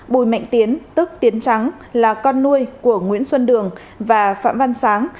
bùi mạnh tiến tức tiến trắng là con nuôi của nguyễn xuân đường và phạm văn sáng